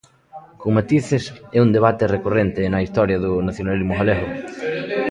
Con matices, é un debate recorrente na historia do nacionalismo galego.